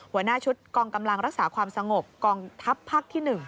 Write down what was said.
หัวหน้าชุดกองกำลังรักษาความสงบกองทัพภาคที่๑